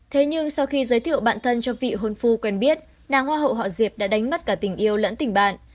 thế nhưng sau khi giới thiệu bạn thân cho vị hôn phu quen biết nàng hoa hậu họ diệp đã đánh mất cả tình yêu lẫn tình bạn